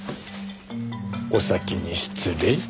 お先に失礼。